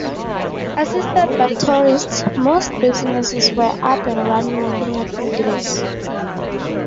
Assisted by tourists, most businesses were up and running within a few days.